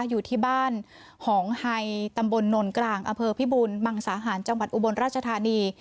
อยู่ที่บ้านหองไฮตำบลนนกลางอำเภอพิบูลมังสาหารจังหวัดอุบลราชธานี